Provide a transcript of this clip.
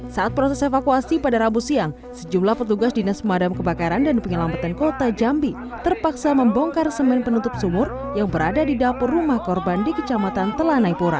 saat proses evakuasi pada rabu siang sejumlah petugas dinas pemadam kebakaran dan penyelamatan kota jambi terpaksa membongkar semen penutup sumur yang berada di dapur rumah korban di kecamatan telanai pura